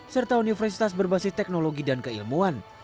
serta universitas berbasis teknologi dan keilmuan